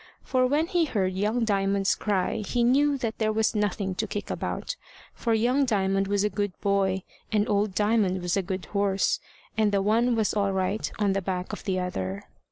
For when he heard young Diamond's cry he knew that there was nothing to kick about; for young Diamond was a good boy, and old Diamond was a good horse, and the one was all right on the back of the other.